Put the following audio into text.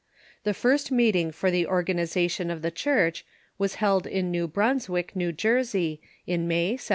The first meet ing for the organization of the Church was held in New Brunswick, N, J,, in May, 1*784.